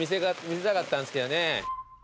見せたかったんですけどね。